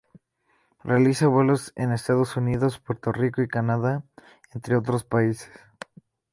Realiza vuelos en Estados Unidos, Puerto Rico y Canadá, entre otros países.